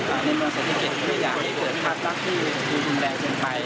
อาหารจะอยู่รอบนอกรอบนอก